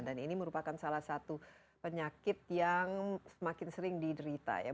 dan ini merupakan salah satu penyakit yang semakin sering diderita ya